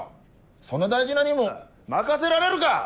そんな大事な任務任せられるか！